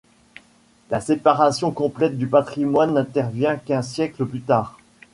La séparation complète du patrimoine n’intervient qu’un siècle plus tard.